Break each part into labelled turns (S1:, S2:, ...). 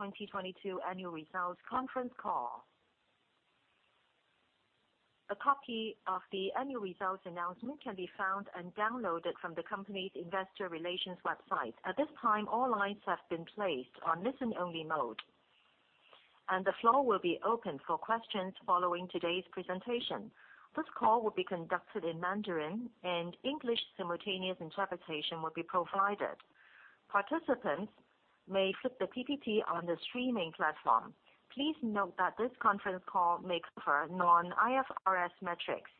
S1: 2022 annual results conference call. A copy of the annual results announcement can be found and downloaded from the company's Investor Relations website. At this time, all lines have been placed on listen-only mode, and the floor will be open for questions following today's presentation. This call will be conducted in Mandarin, and English simultaneous interpretation will be provided. Participants may flip the PPT on the streaming platform. Please note that this conference call may cover non-IFRS metrics,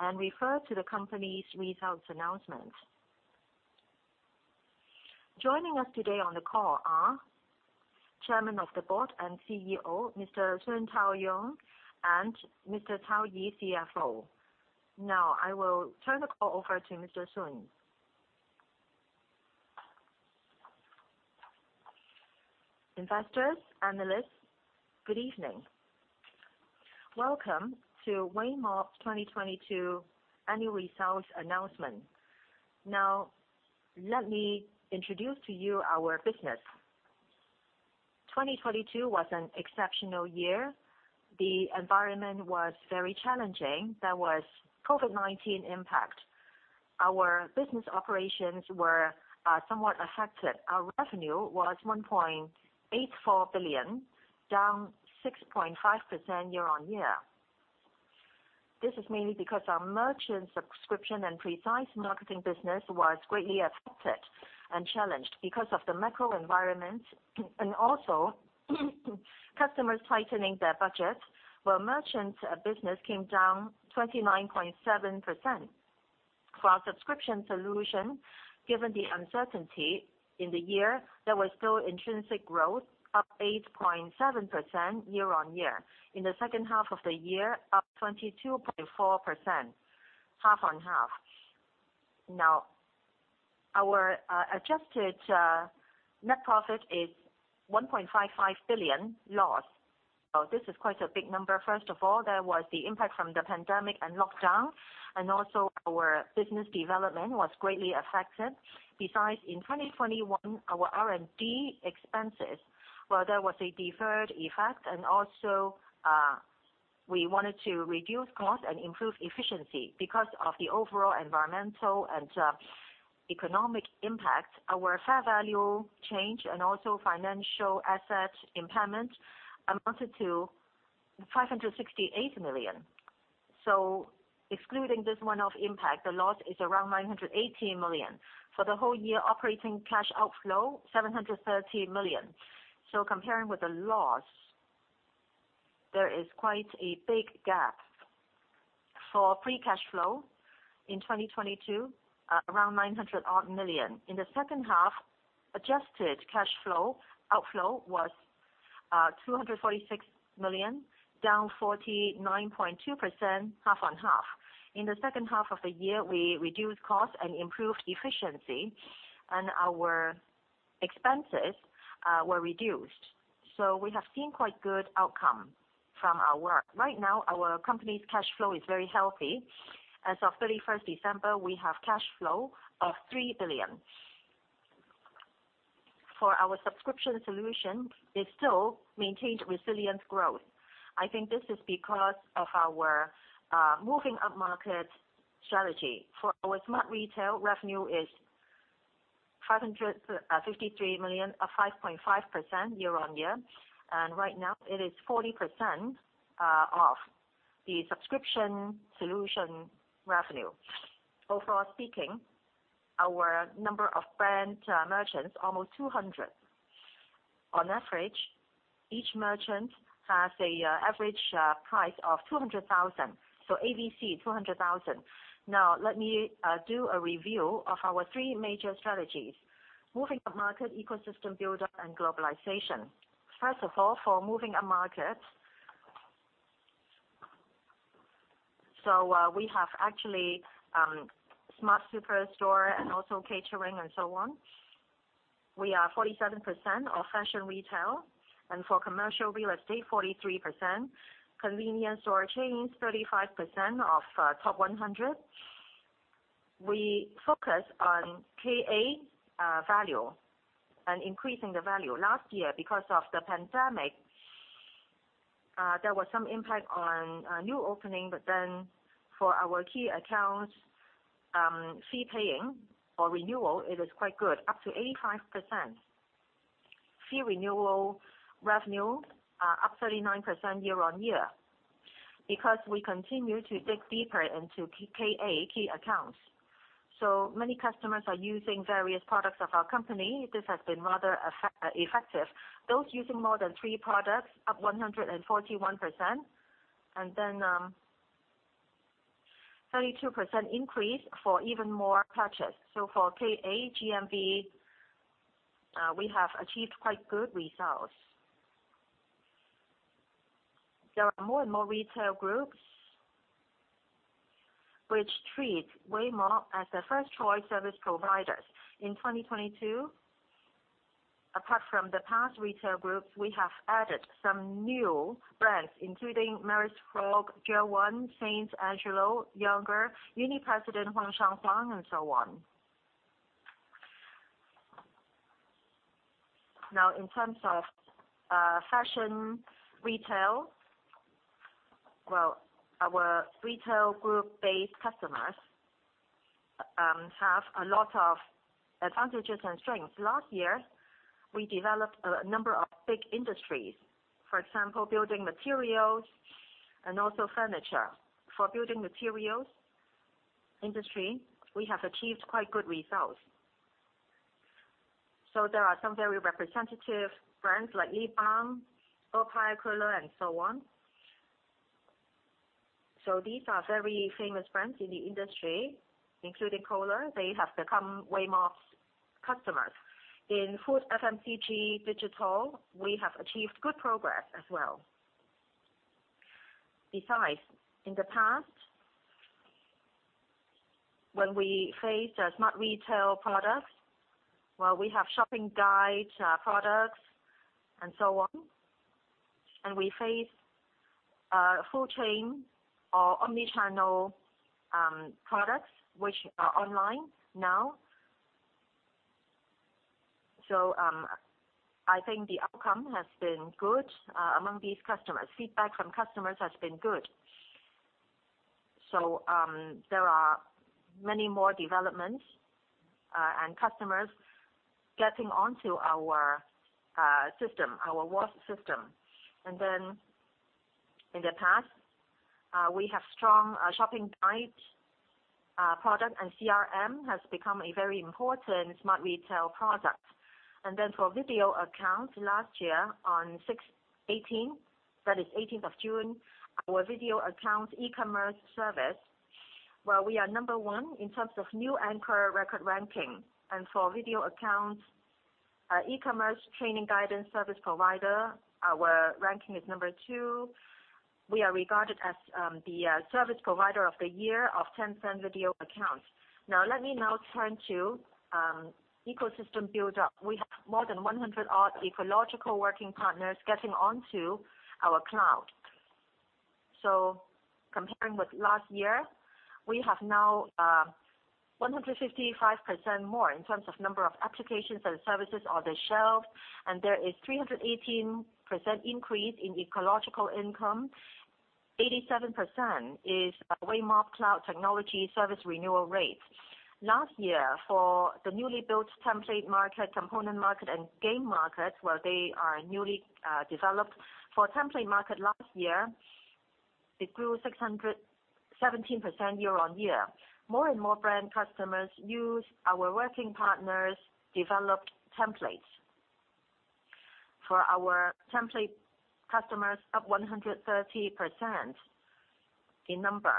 S1: and refer to the company's results announcement. Joining us today on the call are Chairman of the Board and CEO, Mr. Sun Taoyong, and Mr. Cao Yi, CFO. I will turn the call over to Mr. Sun. Investors, analysts, good evening. Welcome to Weimob 2022 annual results announcement. Let me introduce to you our business. 2022 was an exceptional year. The environment was very challenging. There was COVID-19 impact. Our business operations were somewhat affected. Our revenue was 1.84 billion, down 6.5% year-on-year. This is mainly because our merchant subscription and precise marketing business was greatly affected and challenged because of the macro environment and also customers tightening their budget, where merchant business came down 29.7%. For our subscription solution, given the uncertainty in the year, there was still intrinsic growth, up 8.7% year-on-year. In the second half of the year, up 22.4% half-on-half. Now, our adjusted net profit is 1.55 billion loss. This is quite a big number. First of all, there was the impact from the pandemic and lockdown, and also our business development was greatly affected. In 2021, our R&D expenses, well, there was a deferred effect. We wanted to reduce cost and improve efficiency. Because of the overall environmental and economic impact, our fair value change and also financial asset impairment amounted to 568 million. Excluding this one-off impact, the loss is around 980 million. For the whole year operating cash outflow, 730 million. Comparing with the loss, there is quite a big gap. For free cash flow in 2022, around 900 odd million. In the second half, adjusted cash flow outflow was 246 million, down 49.2% half-on-half. In the second half of the year, we reduced cost and improved efficiency, and our expenses were reduced. We have seen quite good outcome from our work. Right now, our company's cash flow is very healthy. As of 31st December, we have cash flow of 3 billion. Our subscription solution still maintained resilient growth. I think this is because of our moving upmarket strategy. Our Smart Retail revenue is 553 million, or 5.5% year-on-year. Right now it is 40% of the subscription solution revenue. Overall speaking, our number of brand merchants, almost 200. On average, each merchant has a average price of 200,000. AVC 200,000. Now let me do a review of our three major strategies: moving upmarket, ecosystem builder, and globalization. First of all, moving upmarket. We have actually Smart Super Store and also catering and so on. We are 47% of fashion retail, and for commercial real estate, 43%. Convenience store chains, 35% of top 100. We focus on KA value and increasing the value. Last year, because of the pandemic, there was some impact on new opening, for our key accounts, fee paying or renewal, it is quite good, up to 85%. Fee renewal revenue, up 39% year-on-year, because we continue to dig deeper into KA, key accounts. Many customers are using various products of our company. This has been rather effective. Those using more than three products, up 141%. 32% increase for even more purchase. For KA GMV, we have achieved quite good results. There are more and more retail groups which treat Weimob as their first choice service providers. In 2022, apart from the past retail groups, we have added some new brands, including Marisfrolg Besides, in the past, when we faced a Smart Retail product, well, we have shopping guide products and so on, and we face full chain or omni-channel products which are online now. I think the outcome has been good among these customers. Feedback from customers has been good. There are many more developments and customers getting onto our system, our WOS system. In the past, we have strong shopping guide product, and CRM has become a very important Smart Retail product. For Video Accounts last year on 6/18, that is 18th of June, our Video Accounts e-commerce service, where we are Number 1 in terms of new anchor record ranking. For Video Accounts, our e-commerce training guidance service provider, our ranking is Number 2. We are regarded as the service provider of the year of Tencent Video Accounts. Let me now turn to ecosystem build-up. We have more than 100 odd ecological working partners getting onto our cloud. Comparing with last year, we have now 155% more in terms of number of applications and services on the shelf, and there is 318% increase in ecological income. 87% is Weimob Cloud technology service renewal rate. Last year, for the newly built template market, component market, and game market, where they are newly developed. For template market last year, it grew 617% year-on-year. More and more brand customers use our working partners developed templates. For our template customers, up 130% in number.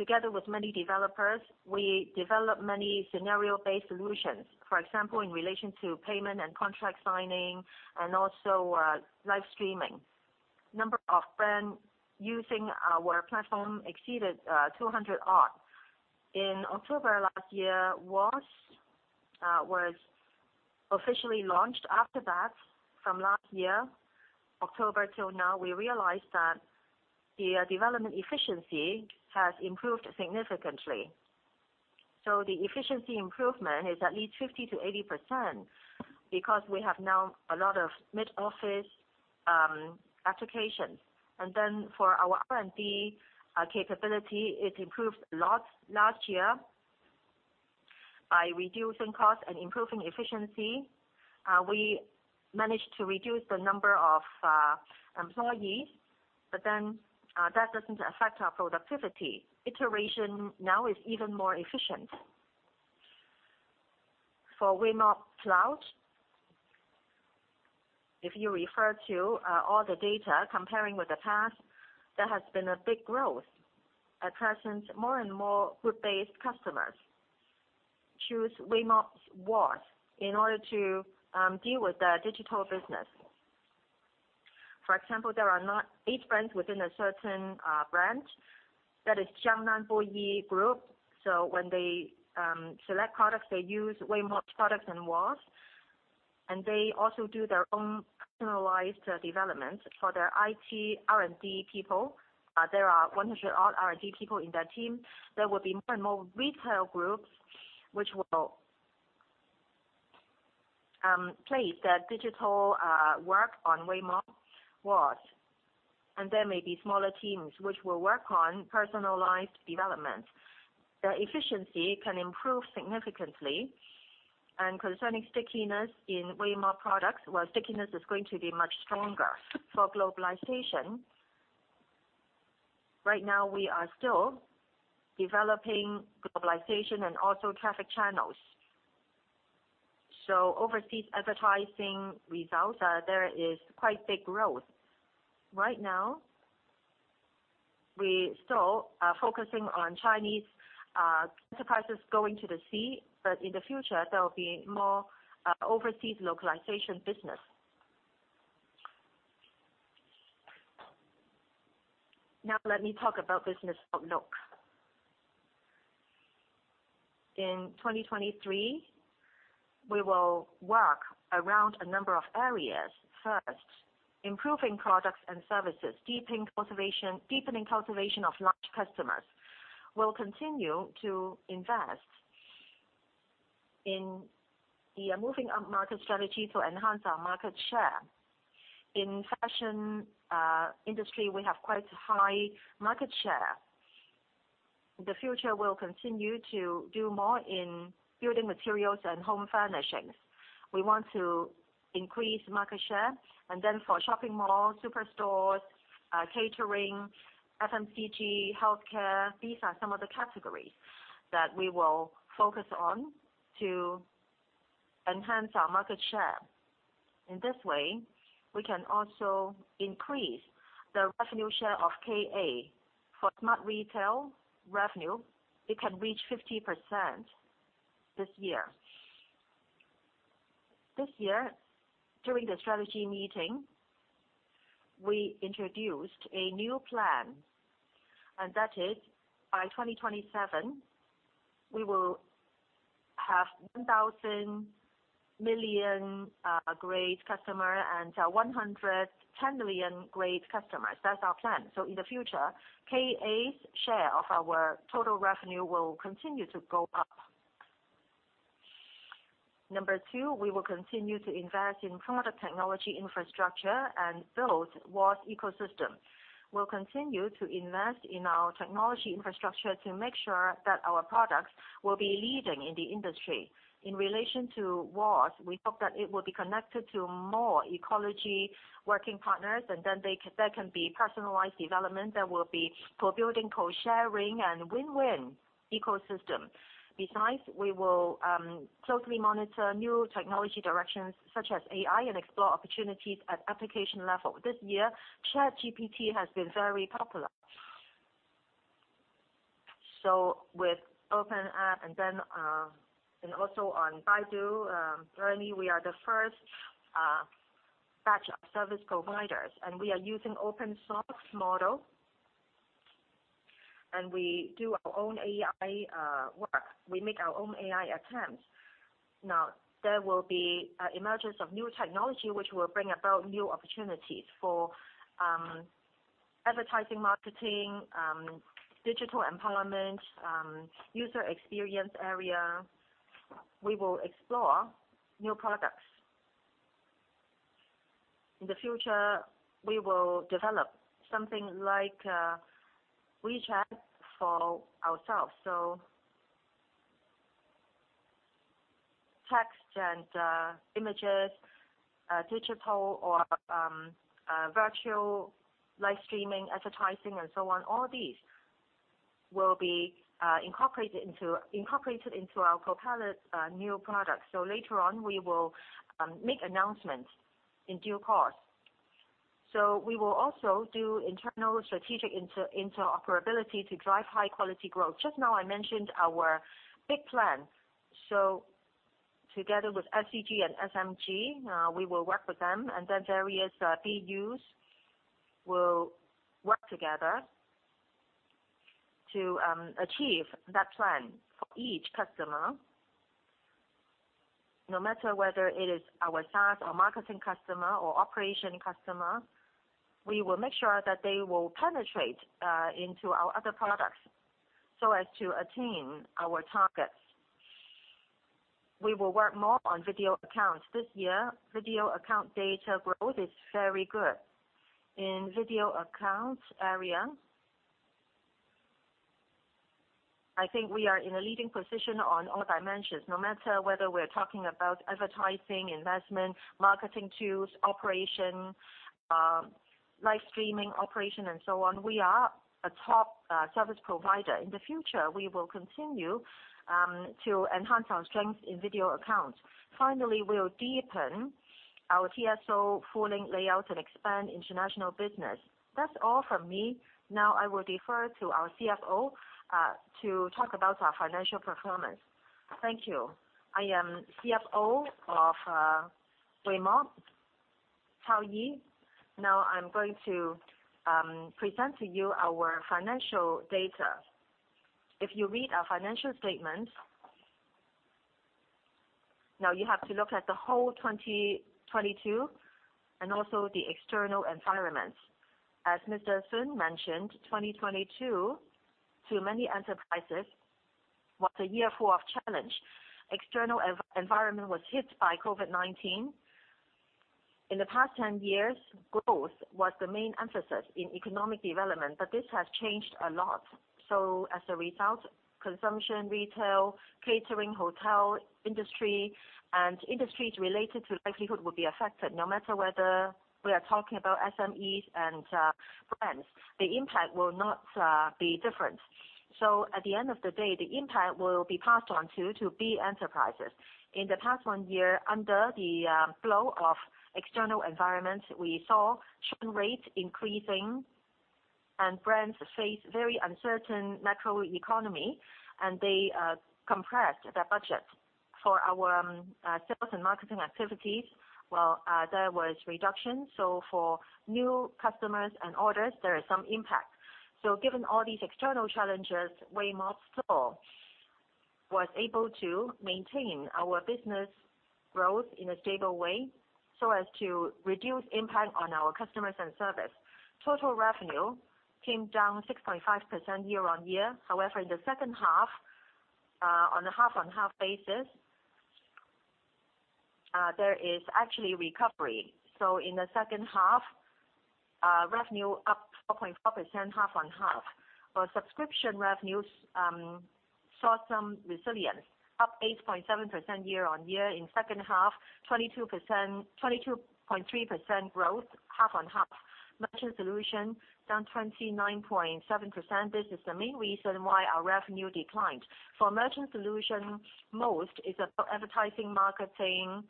S1: Together with many developers, we develop many scenario-based solutions. For example, in relation to payment and contract signing and also live streaming. Number of brand using our platform exceeded 200 odd. In October last year, WOS was officially launched after that. From last year, October till now, we realized that the development efficiency has improved significantly. The efficiency improvement is at least 50%-80% because we have now a lot of mid-office applications. For our R&D capability, it improved a lot last year by reducing costs and improving efficiency. We managed to reduce the number of employees, that doesn't affect our productivity. Iteration now is even more efficient. For Weimob Cloud, if you refer to all the data comparing with the past, there has been a big growth. At present, more and more group-based customers choose Weimob's WOS in order to deal with their digital business. For example, there are now eight brands within a certain brand that is Jiangnan Buyi Group. When they select products, they use Weimob's products and WOS, and they also do their own personalized development for their IT R&D people. There are 100 odd R&D people in their team. There will be more and more retail groups which will place their digital work on Weimob WOS, and there may be smaller teams which will work on personalized development. Their efficiency can improve significantly. Concerning stickiness in Weimob products, well, stickiness is going to be much stronger. For globalization, right now, we are still developing globalization and also traffic channels. Overseas advertising results, there is quite big growth. Right now, we still are focusing on Chinese enterprises going to the sea, but in the future, there will be more overseas localization business. Let me talk about business outlook. In 2023, we will work around a number of areas. First, improving products and services, deepening cultivation of large customers. We'll continue to invest in the moving up market strategy to enhance our market share. In fashion industry, we have quite high market share. In the future, we'll continue to do more in building materials and home furnishings. We want to increase market share. For shopping malls, superstores, catering, FMCG, healthcare, these are some of the categories that we will focus on to enhance our market share. In this way, we can also increase the revenue share of KA. For Smart Retail revenue, it can reach 50% this year. This year, during the strategy meeting, we introduced a new plan. That is by 2027, we will have 1 billion grade customer and 110 million grade customers. That is our plan. In the future, KA's share of our total revenue will continue to go up. Number 2, we will continue to invest in product technology infrastructure and build WOS ecosystem. We will continue to invest in our technology infrastructure to make sure that our products will be leading in the industry. In relation to WOS, we hope that it will be connected to more ecology working partners. There can be personalized development. There will be co-building, co-sharing, and win-win ecosystem. Besides, we will closely monitor new technology directions, such as AI, and explore opportunities at application level. This year, ChatGPT has been very popular. With open app and then, and also on Baidu, ERNIE, we are the first batch of service providers, and we are using open source model, and we do our own AI work. We make our own AI attempts. Now, there will be emergence of new technology, which will bring about new opportunities for advertising, marketing, digital empowerment, user experience area. We will explore new products. In the future, we will develop something like WeChat for ourselves. Text and images, digital or virtual live streaming, advertising and so on, all these will be incorporated into our Copilot new product. Later on, we will make announcements in due course. We will also do internal strategic interoperability to drive high-quality growth. Just now, I mentioned our big plan. Together with SEG and SMG, we will work with them, and then various BUs will work together to achieve that plan for each customer. No matter whether it is our SaaS or marketing customer or operation customer, we will make sure that they will penetrate into our other products so as to attain our targets. We will work more on Video Accounts. This year, Video Accounts data growth is very good. In Video Accounts area, I think we are in a leading position on all dimensions. No matter whether we're talking about advertising, investment, marketing tools, operation, live streaming operation and so on, we are a top service provider. In the future, we will continue to enhance our strength in Video Accounts. We'll deepen our TSO full link layout and expand international business. That's all from me. Now I will defer to our CFO to talk about our financial performance. Thank you. I am CFO of Weimob, Cao Yi. Now I'm going to present to you our financial data. If you read our financial statement, you have to look at the whole 2022 and also the external environment. As Mr. Sun mentioned, 2022, to many enterprises, was a year full of challenge. External environment was hit by COVID-19. In the past 10 years, growth was the main emphasis in economic development, but this has changed a lot. As a result, consumption, retail, catering, hotel industry, and industries related to livelihood will be affected. No matter whether we are talking about SMEs and brands, the impact will not be different. At the end of the day, the impact will be passed on to B enterprises. In the past one year, under the flow of external environment, we saw churn rate increasing and brands face very uncertain macro economy, and they compressed their budget. For our sales and marketing activities, well, there was reduction. For new customers and orders, there is some impact. Given all these external challenges, Weimob was able to maintain our business growth in a stable way so as to reduce impact on our customers and service. Total revenue came down 6.5% year-on-year. However, in the second half, on a half-on-half basis, there is actually recovery. In the second half, revenue up 4.4% half-on-half. Our subscription revenues saw some resilience, up 8.7% year-on-year. In second half, 22.3% growth half-on-half. Merchant solution down 29.7%. This is the main reason why our revenue declined. For merchant solution, most is about advertising, marketing,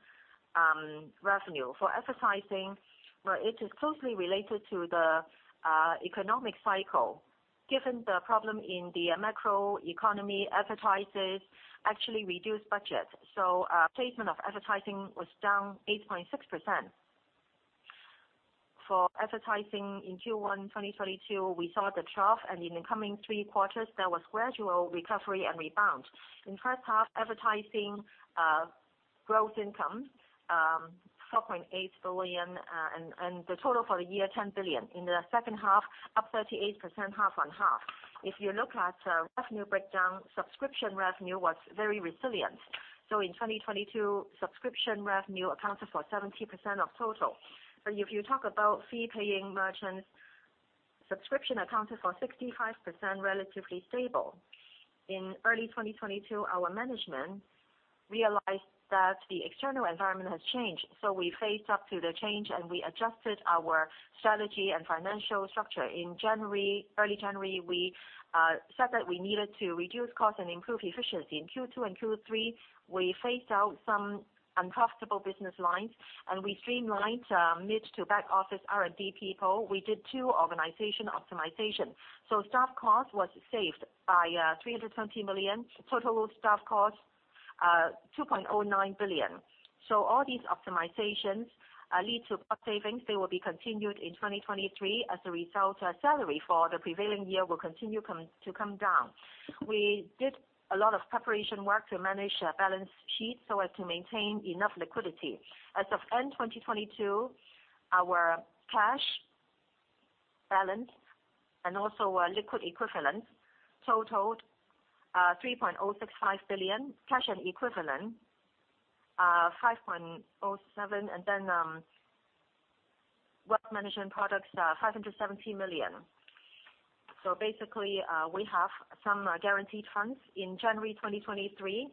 S1: revenue. For advertising, well, it is closely related to the economic cycle. Given the problem in the macro economy, advertisers actually reduced budget. Placement of advertising was down 8.6%. For advertising in Q1 2022, we saw the trough, and in the coming three quarters, there was gradual recovery and rebound. In first half, advertising growth income, 4.8 billion, and the total for the year, 10 billion. In the second half, up 38% half-on-half. If you look at revenue breakdown, subscription revenue was very resilient. In 2022, subscription revenue accounted for 70% of total. If you talk about fee-paying merchants, subscription accounted for 65%, relatively stable. In early 2022, our management realized that the external environment has changed. We faced up to the change, and we adjusted our strategy and financial structure. In January, early January, we said that we needed to reduce costs and improve efficiency. In Q2 and Q3, we phased out some unprofitable business lines, and we streamlined mid to back office R&D people. We did two organization optimization. Staff cost was saved by 320 million. Total staff cost, 2.09 billion. All these optimizations lead to cost savings. They will be continued in 2023. As a result, our salary for the prevailing year will continue to come down. We did a lot of preparation work to manage our balance sheet so as to maintain enough liquidity. As of end 2022, our cash balance and also liquid equivalents totaled 3.065 billion. Cash and equivalent 5.07, and then wealth management products are 570 million. Basically, we have some guaranteed funds. In January 2023,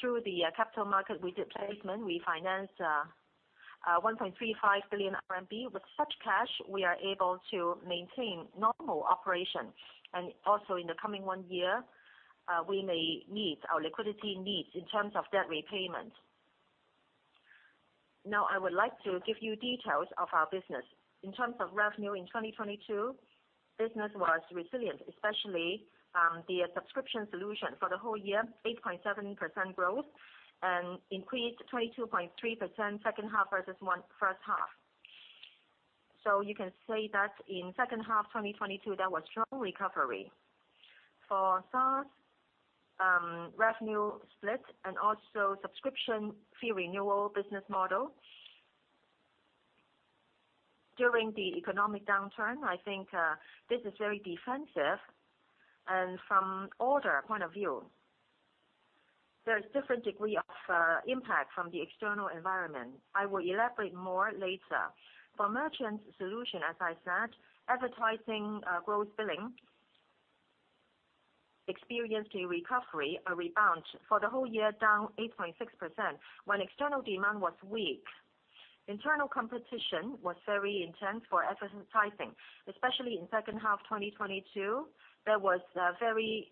S1: through the capital market, we did placement. We financed 1.35 billion RMB. With such cash, we are able to maintain normal operations. In the coming one year, we may meet our liquidity needs in terms of debt repayment. Now I would like to give you details of our business. In terms of revenue in 2022, business was resilient, especially the subscription solution. For the whole year, 8.7% growth and increased 22.3% second half versus first half. You can say that in second half 2022, there was strong recovery. For SaaS, revenue split and also subscription fee renewal business model. During the economic downturn, I think, this is very defensive. From order point of view, there's different degree of impact from the external environment. I will elaborate more later. For merchant solution, as I said, advertising, gross billing experienced a recovery, a rebound. For the whole year, down 8.6%. When external demand was weak, internal competition was very intense for advertising, especially in second half 2022, there was a very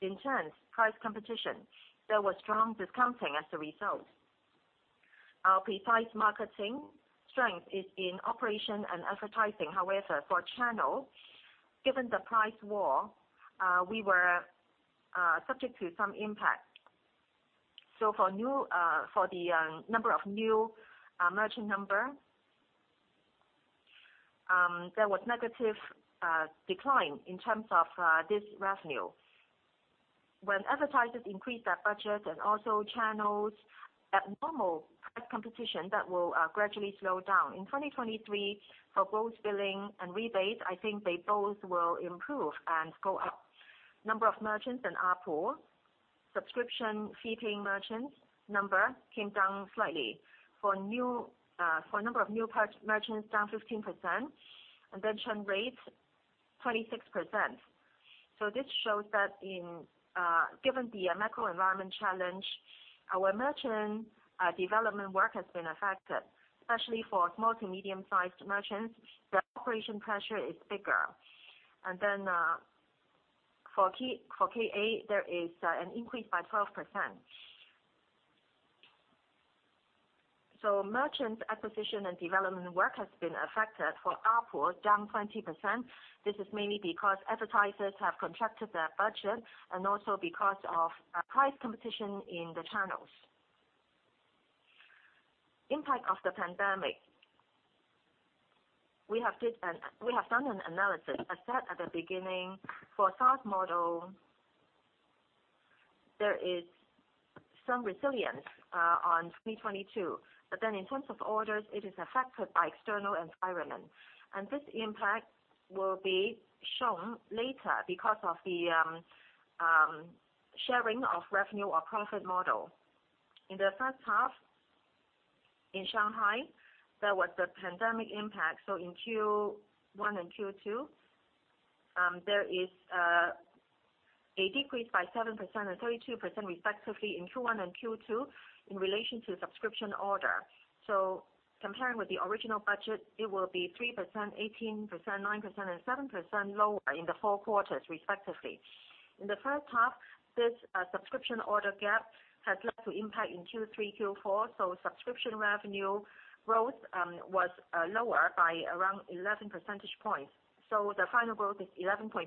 S1: intense price competition. There was strong discounting as a result. Our precise marketing strength is in operation and advertising. However, for channel, given the price war, we were subject to some impact. For new, for the number of new merchant number, there was negative decline in terms of this revenue. When advertisers increase their budget and also channels at normal price competition, that will gradually slow down. In 2023, for gross billing and rebates, I think they both will improve and go up. Number of merchants in ARPU, subscription fee-paying merchants number came down slightly. For number of new merchants, down 15%, and then churn rate, 26%. This shows that in given the macro environment challenge, our merchant development work has been affected, especially for small to medium-sized merchants, the operation pressure is bigger. For key, for KA, there is an increase by 12%. Merchant acquisition and development work has been affected. For ARPU, down 20%. This is mainly because advertisers have contracted their budget and also because of price competition in the channels. Impact of the pandemic. We have done an analysis. I said at the beginning, for SaaS model, there is some resilience on 2022. In terms of orders, it is affected by external environment. This impact will be shown later because of the sharing of revenue or profit model. In the first half in Shanghai, there was the pandemic impact. In Q1 and Q2, there is a decrease by 7% and 32% respectively in Q1 and Q2 in relation to subscription order. Comparing with the original budget, it will be 3%, 18%, 9%, and 7% lower in the four quarters respectively. In the first half, this subscription order gap has led to impact in Q3, Q4. Subscription revenue growth was lower by around 11 percentage points. The final growth is 11.3%.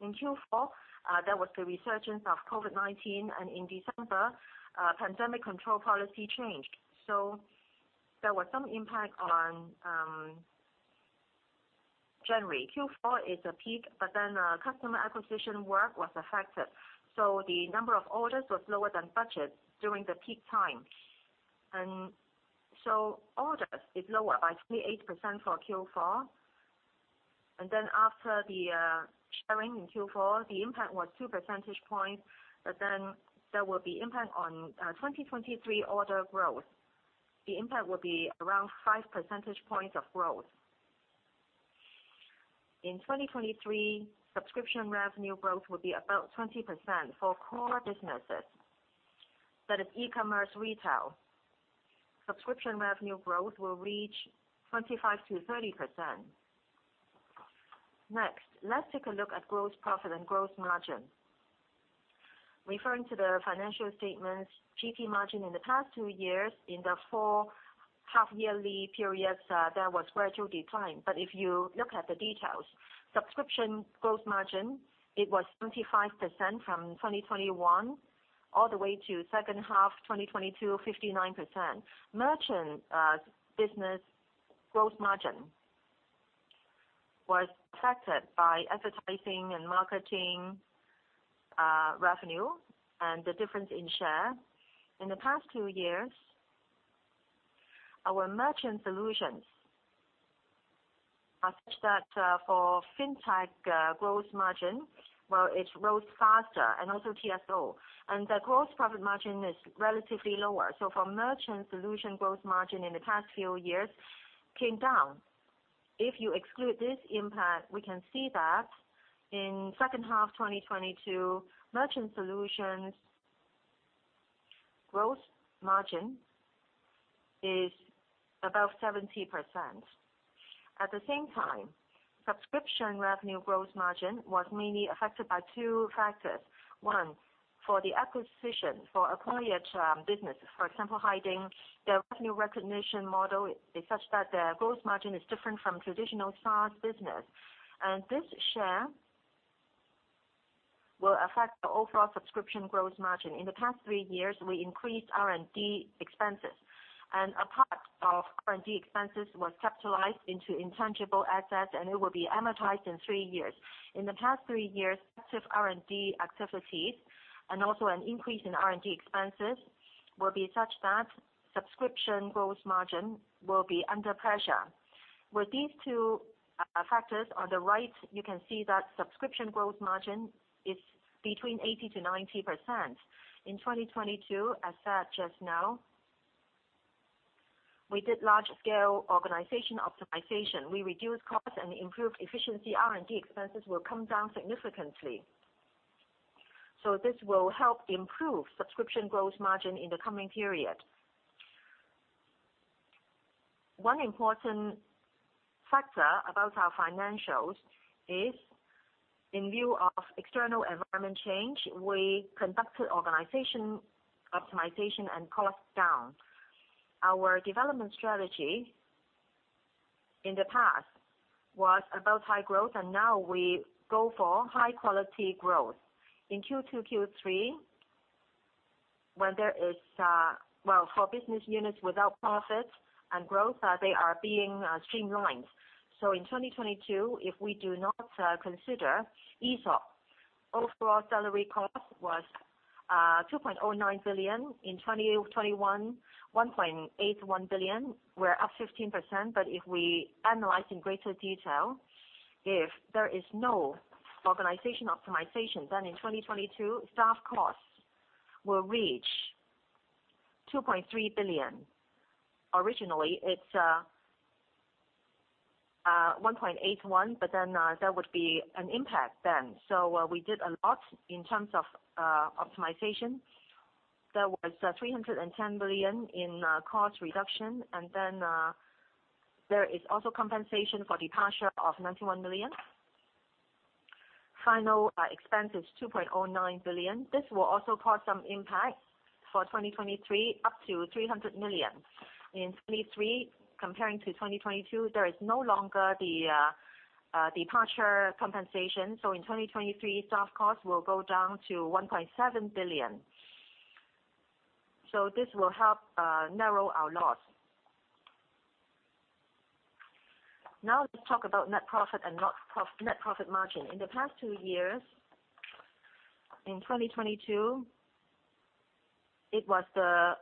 S1: In Q4, there was the resurgence of COVID-19, and in December, pandemic control policy changed. There was some impact on January. Q4 is a peak, customer acquisition work was affected. The number of orders was lower than budget during the peak time. Orders is lower by 28% for Q4. After the sharing in Q4, the impact was 2 percentage points. There will be impact on 2023 order growth. The impact will be around 5 percentage points of growth. In 2023, subscription revenue growth will be about 20% for core businesses. That is e-commerce retail. Subscription revenue growth will reach 25%-30%. Next, let's take a look at gross profit and gross margin. Referring to the financial statements, GP margin in the past two years in the four half-yearly periods, there was gradual decline. If you look at the details, subscription gross margin, it was 75% from 2021 all the way to second half 2022, 59%. Merchant business gross margin was affected by advertising and marketing revenue and the difference in share. In the past two years, our merchant solutions are such that for fintech gross margin, well, it rose faster and also TSO. The gross profit margin is relatively lower. For merchant solution gross margin in the past few years came down. If you exclude this impact, we can see that in second half 2022, merchant solutions gross margin is above 70%. At the same time, subscription revenue gross margin was mainly affected by two factors. One, for the acquisition for acquired businesses, for example, Haiding, their revenue recognition model is such that their gross margin is different from traditional SaaS business. This share will affect the overall subscription gross margin. In the past three years, we increased R&D expenses, and a part of R&D expenses was capitalized into intangible assets, and it will be amortized in three years. In the past three years, active R&D activities and also an increase in R&D expenses will be such that subscription gross margin will be under pressure. With these two factors on the right, you can see that subscription gross margin is between 80%-90%. In 2022, as said just now, we did large scale organization optimization. We reduced costs and improved efficiency. R&D expenses will come down significantly. This will help improve subscription gross margin in the coming period. One important factor about our financials is in view of external environment change, we conducted organization optimization and cost down. Our development strategy in the past was about high growth, and now we go for high quality growth. In Q2, Q3, when there is. Well, for business units without profit and growth, they are being streamlined. In 2022, if we do not consider ESOP, overall salary cost was 2.09 billion. In 2021, 1.81 billion were up 15%. If we analyze in greater detail, if there is no organization optimization, in 2022, staff costs will reach 2.3 billion. Originally, it's 1.81 billion, there would be an impact. We did a lot in terms of optimization. There was 310 billion in cost reduction, there is also compensation for departure of 91 million. Final expense is 2.09 billion. This will also cause some impact for 2023, up to 300 million. In 2023, comparing to 2022, there is no longer the departure compensation. In 2023, staff costs will go down to 1.7 billion. This will help narrow our loss. Let's talk about net profit and net profit margin. In the past two years, in 2022, it was the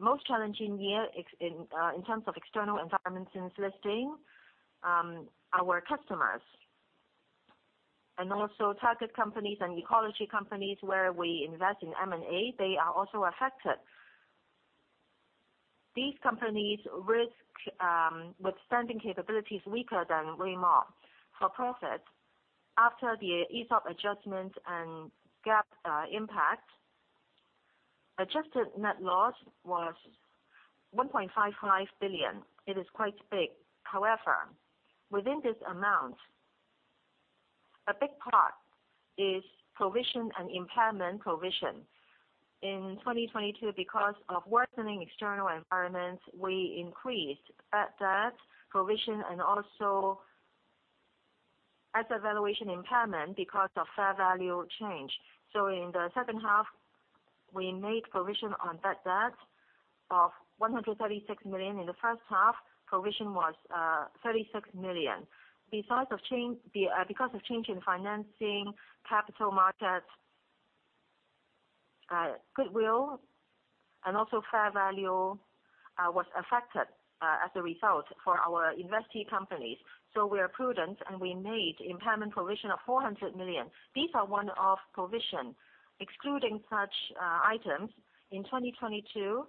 S1: most challenging year in terms of external environment since listing. Our customers and also target companies and ecology companies where we invest in M&A, they are also affected. These companies risk withstanding capabilities weaker than Weimob for profit. After the ESOP adjustment and GAAP impact, adjusted net loss was 1.55 billion. It is quite big. However, within this amount, a big part is provision and impairment provision. In 2022, because of worsening external environment, we increased bad debt provision and also asset valuation impairment because of fair value change. In the second half, we made provision on bad debt of 136 million. In the first half, provision was 36 million. Besides of change because of change in financing, capital markets, goodwill, and also fair value was affected as a result for our investee companies. We are prudent, and we made impairment provision of 400 million. These are one-off provision. Excluding such items, in 2022,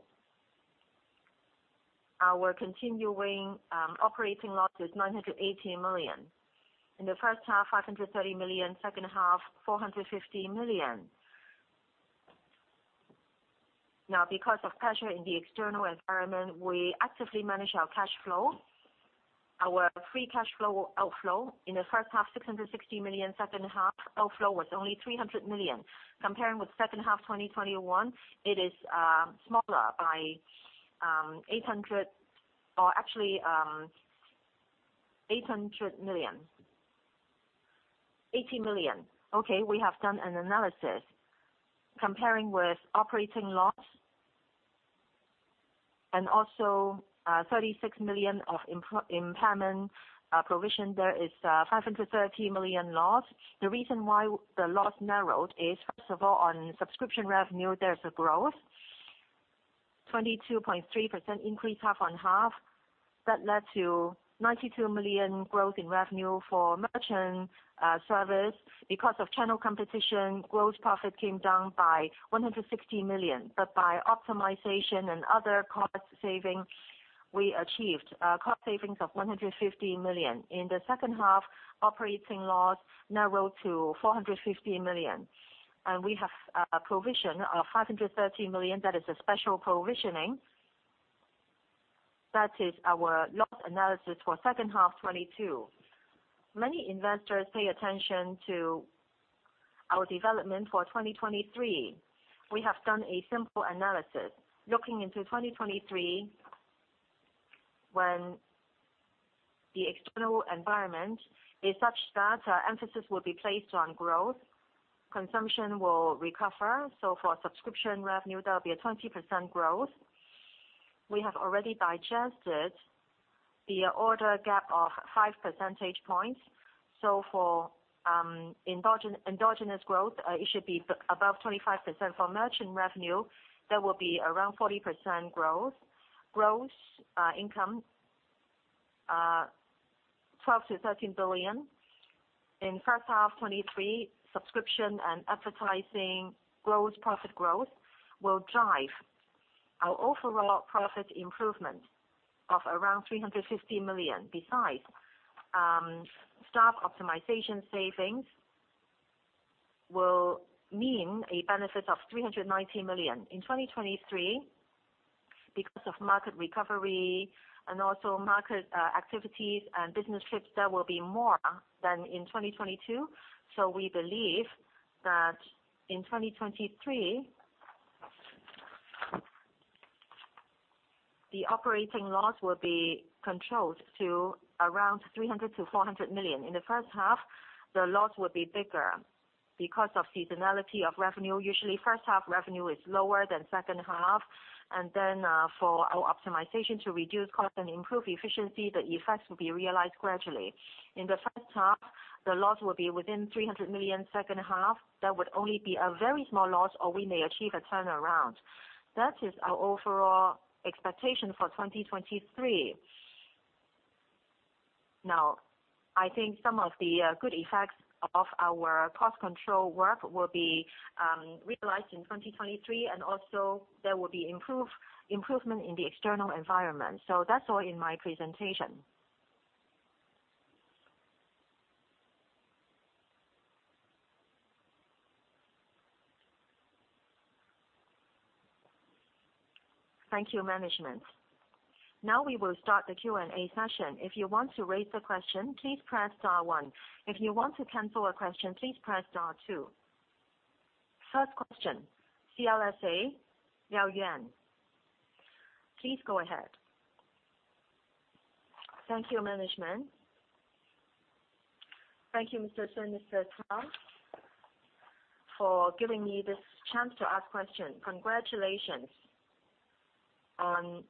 S1: our continuing operating loss was 980 million. In the first half, 530 million, second half, 450 million. Because of pressure in the external environment, we actively manage our cash flow. Our free cash flow outflow in the first half, 660 million, second half outflow was only 300 million. Comparing with second half 2021, it is smaller by 80 million. Okay, we have done an analysis comparing with operating loss and also 36 million of impairment provision. There is 530 million loss. The reason why the loss narrowed is, first of all, on subscription revenue, there's a growth, 22.3% increase half-on-half. That led to 92 million growth in revenue for merchant service. Because of channel competition, gross profit came down by 160 million. By optimization and other cost saving, we achieved cost savings of 150 million. In the second half, operating loss narrowed to 450 million. We have a provision of 530 million that is a special provisioning. That is our loss analysis for second half 2022. Many investors pay attention to our development for 2023. We have done a simple analysis. Looking into 2023, when the external environment is such that emphasis will be placed on growth, consumption will recover, so for subscription revenue, there'll be a 20% growth. We have already digested the order gap of 5 percentage points. For endogenous growth, it should be above 25%. For merchant revenue, there will be around 40% growth. Gross income 12 billion-13 billion. In first half 2023, subscription and advertising gross profit growth will drive our overall profit improvement of around 350 million. Besides, staff optimization savings will mean a benefit of 390 million. In 2023, because of market recovery and also market activities and business trips, there will be more than in 2022. We believe that in 2023, the operating loss will be controlled to around 300 million-400 million. In the first half, the loss will be bigger because of seasonality of revenue. Usually, first half revenue is lower than second half. For our optimization to reduce cost and improve efficiency, the effects will be realized gradually. In the first half, the loss will be within 300 million. Second half, there would only be a very small loss, or we may achieve a turnaround. That is our overall expectation for 2023. I think some of the good effects of our cost control work will be realized in 2023, and also there will be improvement in the external environment. That's all in my presentation. Thank you, management. We will start the Q&A session. If you want to raise a question, please press star one. If you want to cancel a question, please press star two. First question, CLSA, Liao Yuan. Please go ahead. Thank you, management. Thank you, Mr. Sun, Mr. Cao, for giving me this chance to ask question. Congratulations on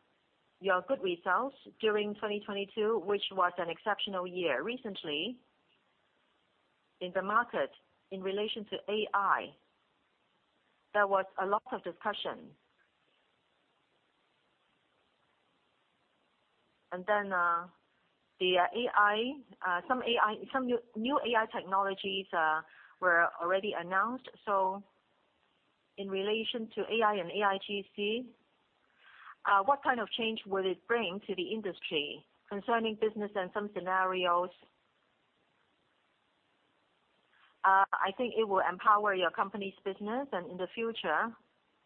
S1: your good results during 2022, which was an exceptional year. Recently, in the market, in relation to AI, there was a lot of discussion. Then some new AI technologies were already announced. In relation to AI and AIGC, what kind of change will it bring to the industry concerning business and some scenarios? I think it will empower your company's business and in the future,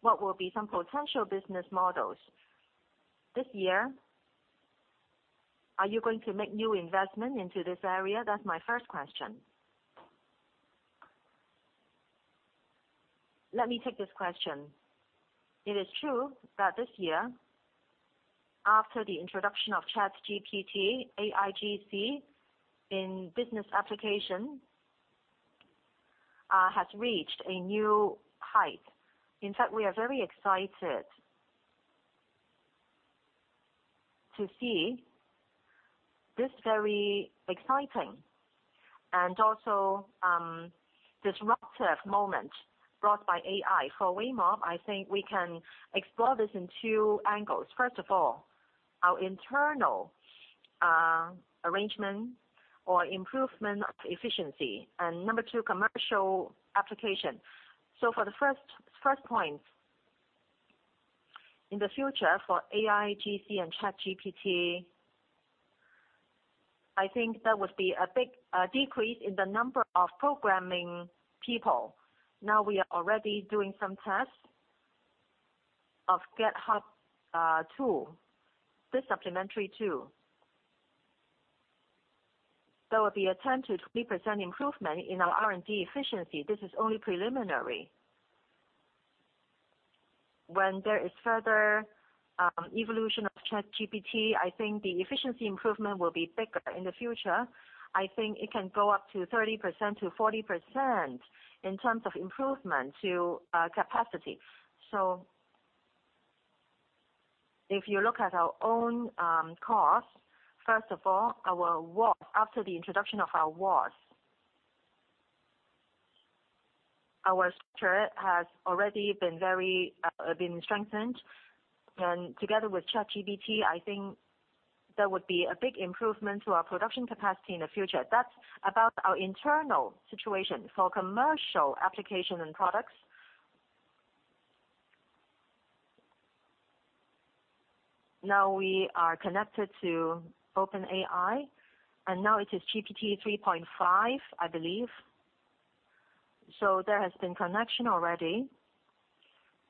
S1: what will be some potential business models? This year, are you going to make new investment into this area? That's my first question. Let me take this question. It is true that this year, after the introduction of ChatGPT, AIGC in business application has reached a new height. In fact, we are very excited to see this very exciting and also disruptive moment brought by AI. For Weimob, I think we can explore this in two angles. First of all, our internal arrangement or improvement of efficiency, and Number 2, commercial application. For the first point, in the future for AIGC and ChatGPT, I think there would be a big decrease in the number of programming people. Now we are already doing some tests of GitHub tool. This supplementary tool. There will be a 10%-20% improvement in our R&D efficiency. This is only preliminary. When there is further evolution of ChatGPT, I think the efficiency improvement will be bigger in the future. I think it can go up to 30%-40% in terms of improvement to capacity. If you look at our own costs, first of all, our WOS. After the introduction of our WOS, our structure has already been very strengthened. Together with ChatGPT, I think there would be a big improvement to our production capacity in the future. That's about our internal situation. For commercial application and products, now we are connected to OpenAI, and now it is GPT-3.5, I believe. There has been connection already.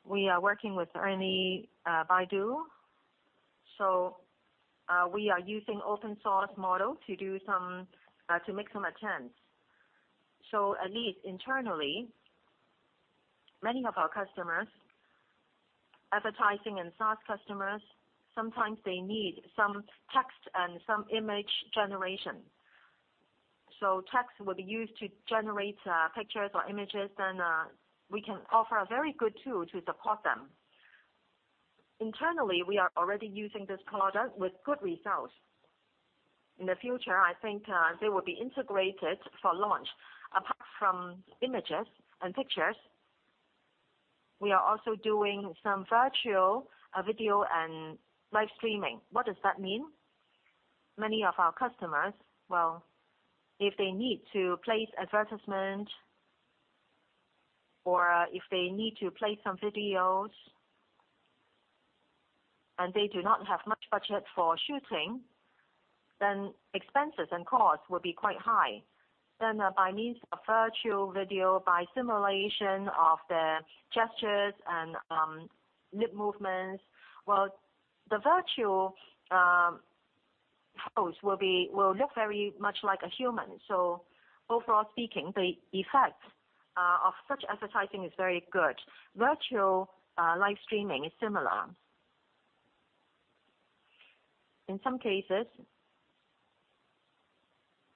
S1: We are working with ERNIE, Baidu. We are using open source model to make some attempts. At least internally, many of our customers, advertising and SaaS customers, sometimes they need some text and some image generation. Text will be used to generate pictures or images, then we can offer a very good tool to support them. Internally, we are already using this product with good results. In the future, I think, they will be integrated for launch. Apart from images and pictures, we are also doing some virtual video and live streaming. What does that mean? Many of our customers, well, if they need to place advertisement or, if they need to play some videos, and they do not have much budget for shooting, then expenses and costs will be quite high. By means of virtual video, by simulation of the gestures and lip movements, well, the virtual host will look very much like a human. Overall speaking, the effect of such advertising is very good. Virtual live streaming is similar. In some cases,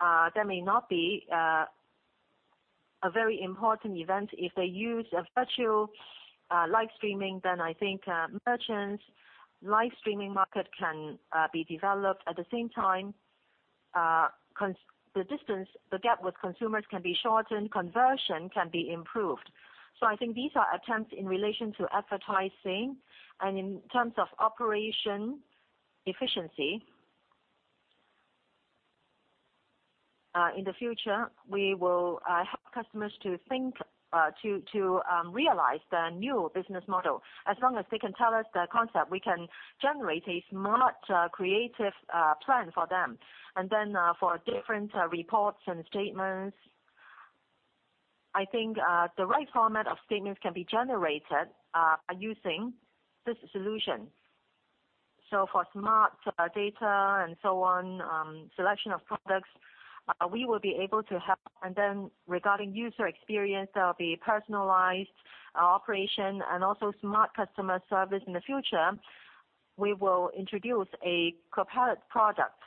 S1: there may not be a very important event. If they use a virtual live streaming, I think merchants' live streaming market can be developed. At the same time, the distance, the gap with consumers can be shortened, conversion can be improved. I think these are attempts in relation to advertising and in terms of operation efficiency. In the future, we will help customers to think, to realize the new business model. As long as they can tell us the concept, we can generate a smart, creative plan for them. For different reports and statements, I think the right format of statements can be generated using this solution. For smart data and so on, selection of products, we will be able to help. Regarding user experience, there'll be personalized operation and also smart customer service in the future. We will introduce a Copilot product.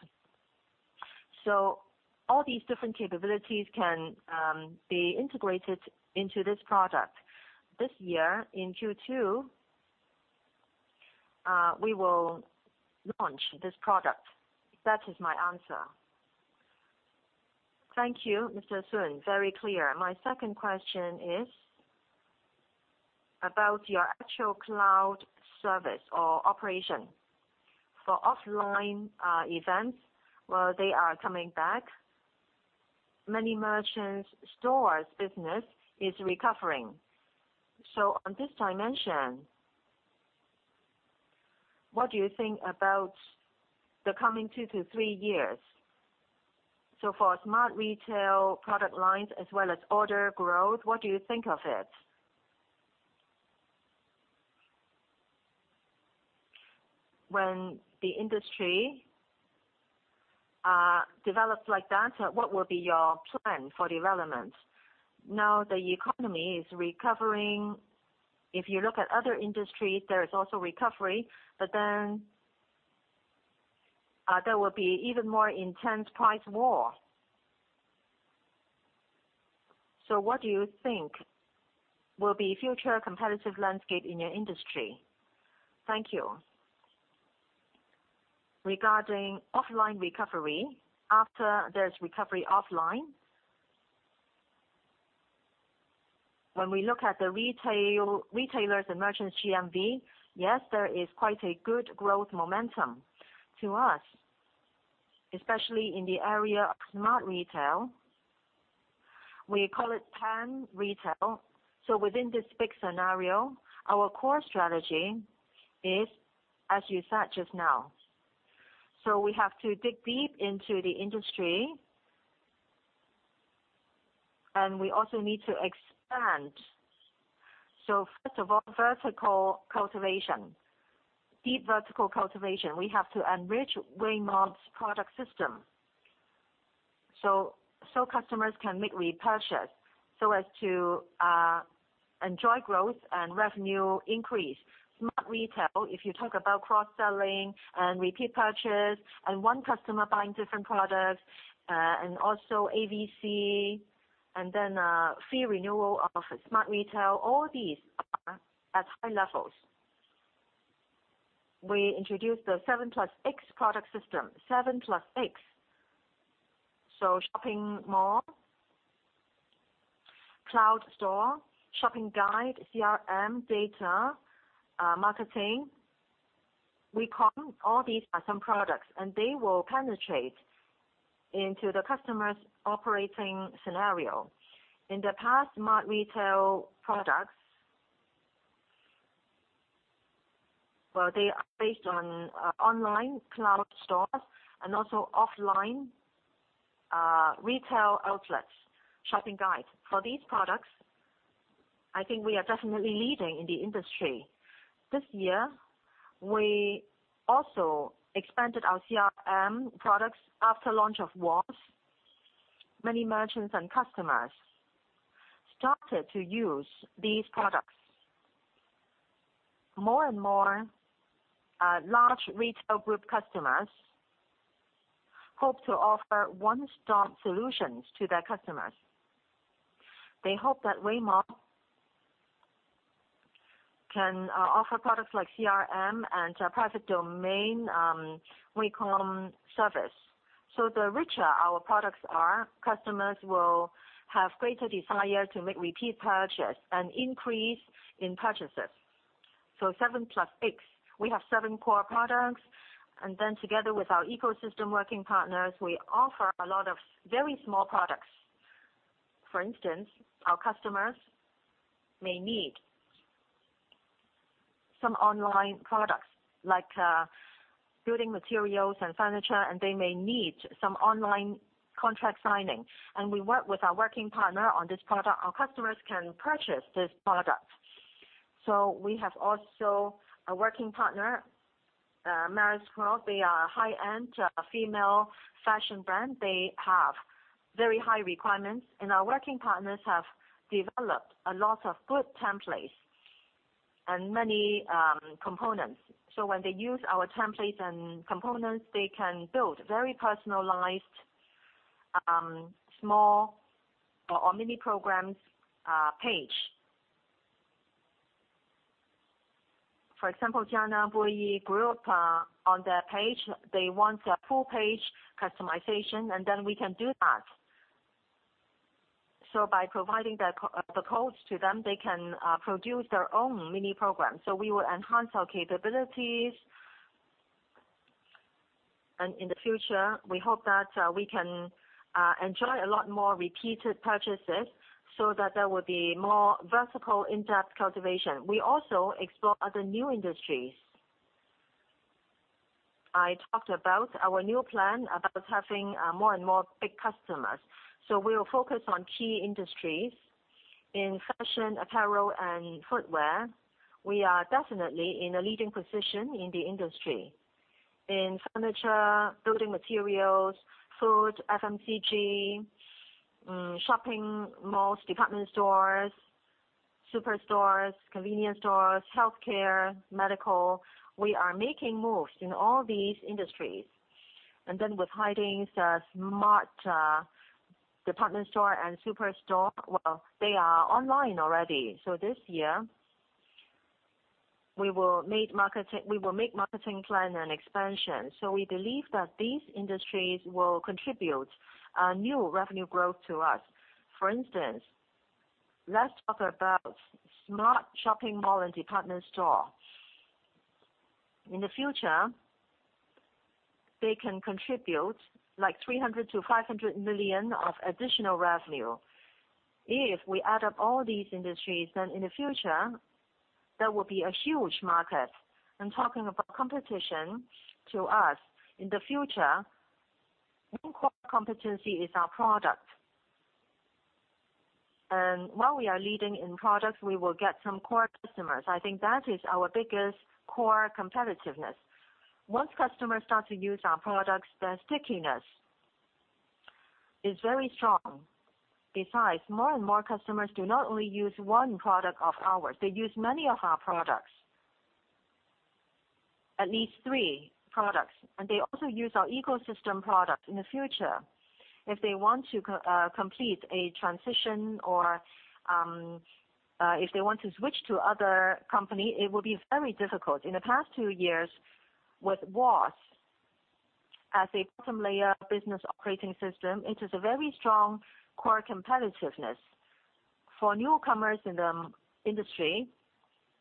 S1: All these different capabilities can be integrated into this product. This year, in Q2, we will launch this product. That is my answer. Thank you, Mr. Sun. Very clear. My second question is about your actual cloud service or operation. For offline events, while they are coming back, many merchants stores business is recovering. On this dimension, what do you think about the coming two to three years? For Smart Retail product lines as well as order growth, what do you think of it? When the industry develops like that, what will be your plan for development? The economy is recovering. If you look at other industries, there is also recovery, there will be even more intense price war. What do you think will be future competitive landscape in your industry? Thank you. Regarding offline recovery, after there's recovery offline, when we look at the retailer's and merchant's GMV, yes, there is quite a good growth momentum to us, especially in the area of Smart Retail. We call it Pan-Retail. Within this big scenario, our core strategy is, as you said just now. We have to dig deep into the industry and we also need to expand. First of all, vertical cultivation, deep vertical cultivation. We have to enrich Weimob's product system, so customers can make repurchase so as to enjoy growth and revenue increase. Smart Retail, if you talk about cross-selling and repeat purchase and one customer buying different products, and also AVC, fee renewal of Smart Retail, all these are at high levels. We introduced the 7+X product system. 7+X. Shopping mall, cloud store, shopping guide, CRM, data, marketing. We call all these are some products, and they will penetrate into the customer's operating scenario. In the past, Smart Retail products, they are based on online cloud stores and offline retail outlets, shopping guide. For these products, I think we are definitely leading in the industry. This year, we also expanded our CRM products after launch of WOS. Many merchants and customers started to use these products. More and more large retail group customers hope to offer one-stop solutions to their customers. They hope that Weimob can offer products like CRM and private domain WeCom service. The richer our products are, customers will have greater desire to make repeat purchase and increase in purchases. 7+X. We have seven core products. Together with our ecosystem working partners, we offer a lot of very small products. For instance, our customers may need some online products like building materials and furniture, and they may need some online contract signing. We work with our working partner on this product. Our customers can purchase this product. We have also a working partner, Marie Claire. They are a high-end female fashion brand. They have very high requirements. Our working partners have developed a lot of good templates and many components. When they use our templates and components, they can build very personalized, small or mini programs, page. For example, Group, on their page, they want a full-page customization, then we can do that. By providing the codes to them, they can produce their own mini program. We will enhance our capabilities. In the future, we hope that we can enjoy a lot more repeated purchases so that there will be more vertical in-depth cultivation. We also explore other new industries. I talked about our new plan about having more and more big customers. We'll focus on key industries. In fashion, apparel, and footwear, we are definitely in a leading position in the industry. In furniture, building materials, food, FMCG, shopping malls, department stores. Superstores, convenience stores, healthcare, medical, we are making moves in all these industries. With Haiding's smart department store and superstore, well, they are online already. This year, we will make marketing plan and expansion. We believe that these industries will contribute new revenue growth to us. For instance, let's talk about smart shopping mall and department store. In the future, they can contribute like 300 million-500 million of additional revenue. If we add up all these industries, in the future, that will be a huge market. Talking about competition to us, in the future, one core competency is our product. While we are leading in products, we will get some core customers. I think that is our biggest core competitiveness. Once customers start to use our products, the stickiness is very strong. More and more customers do not only use one product of ours, they use many of our products. At least three products, and they also use our ecosystem product. In the future, if they want to complete a transition or, if they want to switch to other company, it will be very difficult. In the past two years, with WOS as a bottom layer business operating system, it is a very strong core competitiveness. For newcomers in the industry,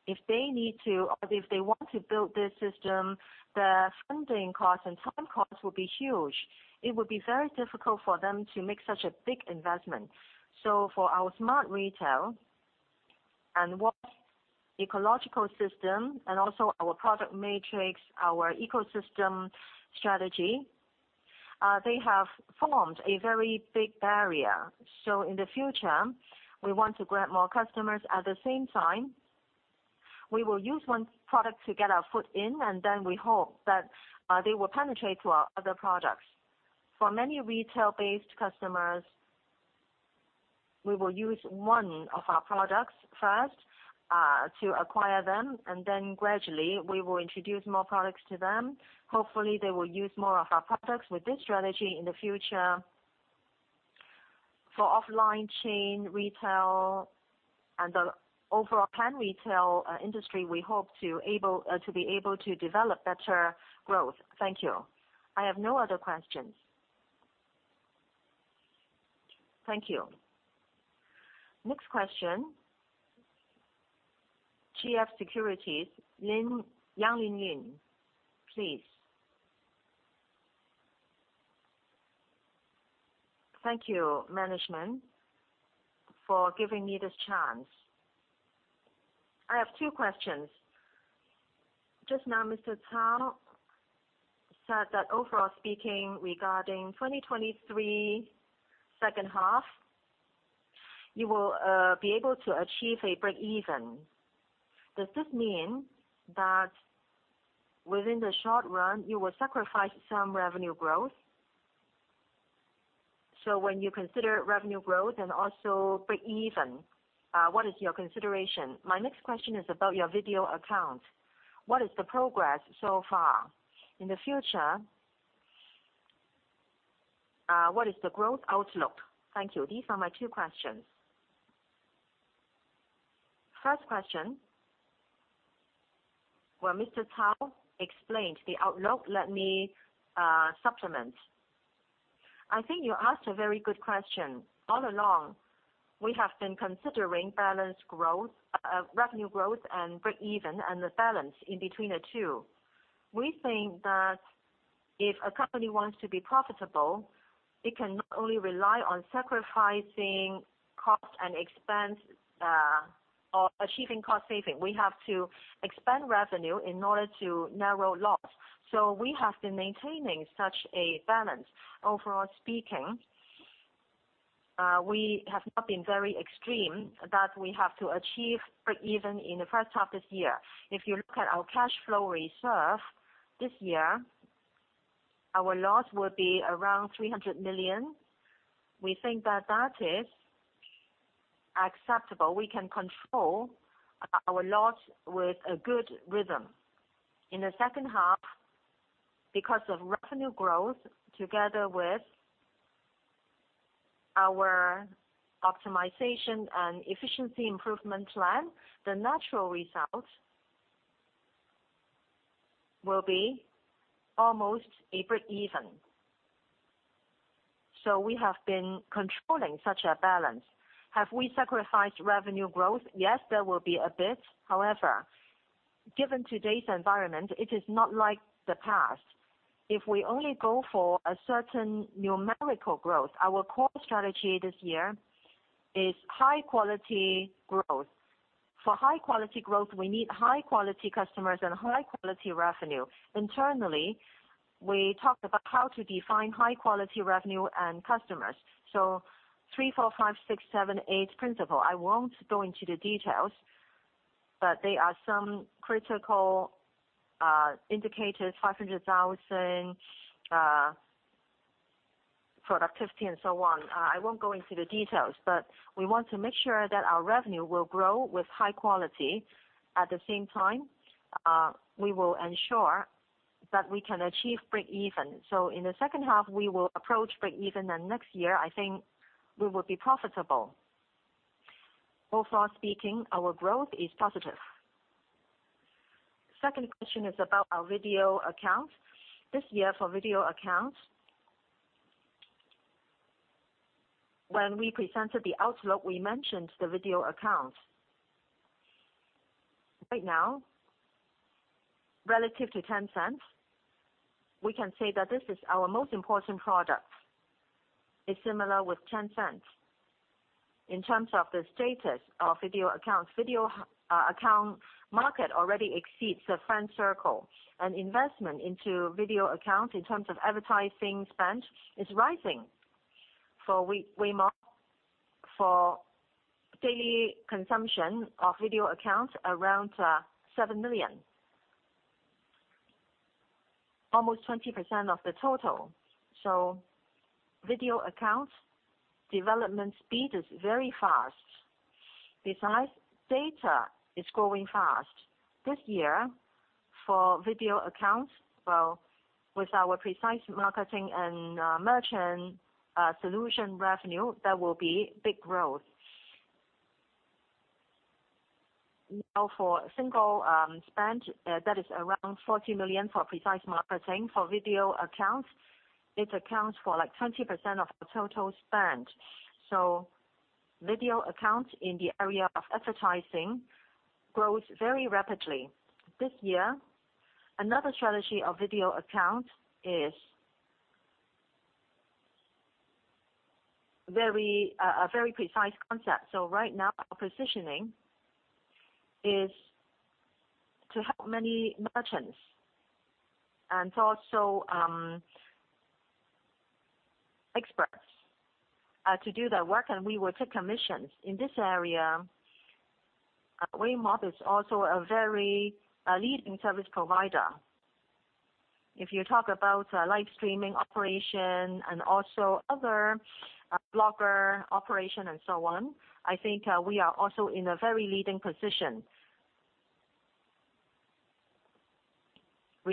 S1: if they need to or if they want to build this system, the funding cost and time cost will be huge. It would be very difficult for them to make such a big investment. For our Smart Retail and WOS ecological system and also our product matrix, our ecosystem strategy, they have formed a very big barrier. In the future, we want to grab more customers. At the same time, we will use one product to get our foot in, and then we hope that they will penetrate to our other products. For many retail-based customers, we will use one of our products first to acquire them, and then gradually, we will introduce more products to them. Hopefully, they will use more of our products. With this strategy in the future for offline chain retail and the overall Pan-Retail industry, we hope to be able to develop better growth. Thank you. I have no other questions. Thank you. Next question. GF Securities, Yang Linlin, please. Thank you, management, for giving me this chance. I have two questions. Just now, Mr. Cao said that overall speaking, regarding 2023 second half, you will be able to achieve a break-even. Does this mean that within the short run, you will sacrifice some revenue growth? When you consider revenue growth and also break-even, what is your consideration? My next question is about your Video Accounts. What is the progress so far? In the future, what is the growth outlook? Thank you. These are my two questions. First question, where Mr. Cao explained the outlook, let me supplement. I think you asked a very good question. All along, we have been considering balanced growth, revenue growth and break-even, and the balance in between the two. We think that if a company wants to be profitable, it can not only rely on sacrificing cost and expense, or achieving cost saving. We have to expand revenue in order to narrow loss. We have been maintaining such a balance. Overall speaking, we have not been very extreme that we have to achieve break-even in the first half this year. If you look at our cash flow reserve this year, our loss will be around 300 million. We think that that is acceptable. We can control our loss with a good rhythm. In the second half, because of revenue growth together with our optimization and efficiency improvement plan, the natural result will be almost a break-even. We have been controlling such a balance. Have we sacrificed revenue growth? Yes, there will be a bit. However, given today's environment, it is not like the past. If we only go for a certain numerical growth, our core strategy this year is high quality growth. For high quality growth, we need high quality customers and high quality revenue. Internally, we talked about how to define high quality revenue and customers. Three, four, five, six, seven, eight principle. I won't go into the details, but there are some critical indicators, 500,000 Productivity and so on. I won't go into the details, but we want to make sure that our revenue will grow with high quality. At the same time, we will ensure that we can achieve break-even. In the second half, we will approach break-even, and next year, I think we will be profitable. Overall speaking, our growth is positive. Second question is about our Video Accounts. This year, for Video Accounts, when we presented the outlook, we mentioned the Video Accounts. Right now, relative to Tencent, we can say that this is our most important product. It's similar with Tencent. In terms of the status of Video Accounts, Video Account market already exceeds the friend circle, and investment into Video Account in terms of advertising spend is rising. For daily consumption of Video Accounts, around 7 million. Almost 20% of the total. Video Accounts development speed is very fast. Besides, data is growing fast. This year, for Video Accounts, well, with our precise marketing and merchant solution revenue, there will be big growth. Now for single spend that is around 40 million for precise marketing. For Video Accounts, it accounts for like 20% of the total spend. Video Accounts in the area of advertising grows very rapidly. This year, another strategy of Video Account is very. A very precise concept. Right now our positioning is to help many merchants and also experts to do their work, and we will take commissions. In this area, Weimob is also a very leading service provider. If you talk about live streaming operation and also other blogger operation and so on, I think we are also in a very leading position.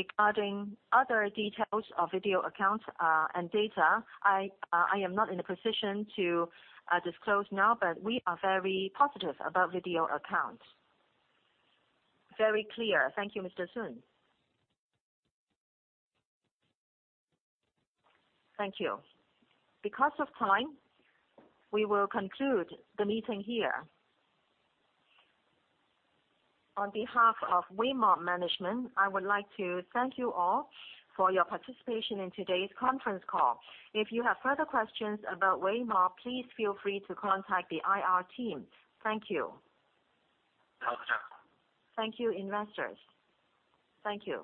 S1: Regarding other details of Video Accounts and data I am not in a position to disclose now, but we are very positive about Video Accounts. Very clear. Thank you, Mr. Sun. Thank you. Because of time, we will conclude the meeting here. On behalf of Weimob management, I would like to thank you all for your participation in today's conference call. If you have further questions about Weimob, please feel free to contact the IR team. Thank you. Thank you. Thank you, investors. Thank you.